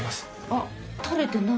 あったれてない。